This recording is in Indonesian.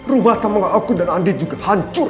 rumah teman aku dan andi juga hancur